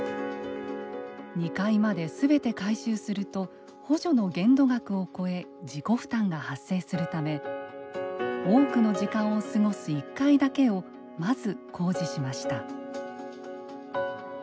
２階まですべて改修すると補助の限度額を超え自己負担が発生するため多くの時間を過ごす１階だけをまず工事しました。